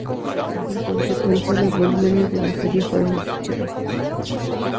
En consecuencia, los volúmenes de la serie fueron desechados.